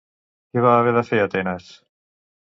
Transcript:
Què va haver de fer Atenes?